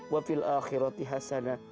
wafil akhirati hasana